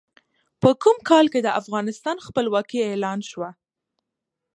په کوم کال کې د افغانستان خپلواکي اعلان شوه؟